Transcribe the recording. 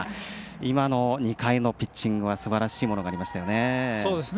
今の２回のピッチングはすばらしいものがありましたね。